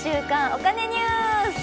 お金ニュース」